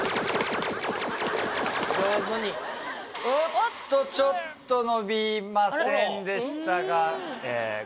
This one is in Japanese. おっとちょっと伸びませんでしたが。